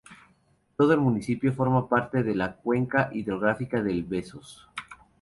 Todo el municipio forma parte de la cuenca hidrográfica del Besós.